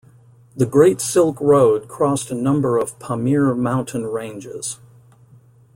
The Great Silk Road crossed a number of Pamir Mountain ranges.